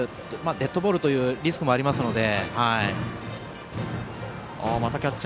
デッドボールというリスクもありますので。